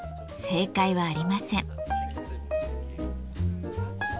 正解はありません。